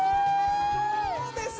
どうです？